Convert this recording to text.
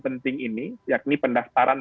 penting ini yakni pendaftaran